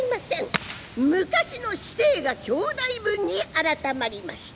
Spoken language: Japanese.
昔の師弟が兄弟分に改まりました。